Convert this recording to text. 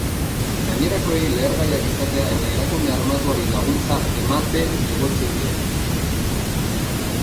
Gainerakoei lehergaiak izatea eta erakunde armatuari laguntza emate egotzi die.